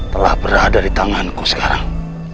telah berada di tanganku sekarang